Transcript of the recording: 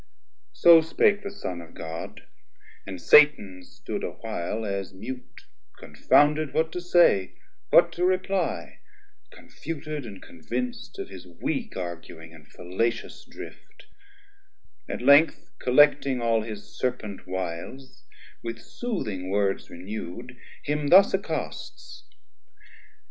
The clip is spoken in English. So spake the Son of God, and Satan stood A while as mute confounded what to say, What to reply, confuted and convinc't Of his weak arguing, and fallacious drift; At length collecting all his Serpent wiles, With soothing words renew'd, him thus accosts.